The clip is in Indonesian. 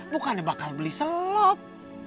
bukannya bakal beli selop